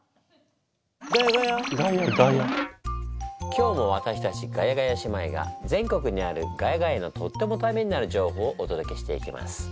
今日もわたしたちガヤガヤ姉妹が全国にある「ヶ谷街」のとってもタメになる情報をおとどけしていきます。